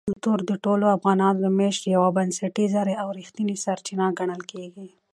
کلتور د ټولو افغانانو د معیشت یوه بنسټیزه او رښتینې سرچینه ګڼل کېږي.